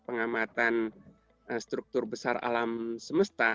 pengamatan struktur besar alam semesta